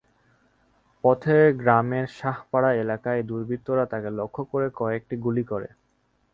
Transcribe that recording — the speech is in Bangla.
পথে গ্রামের শাহপাড়া এলাকায় দুর্বৃত্তরা তাঁকে লক্ষ্য করে কয়েকটি গুলি করে।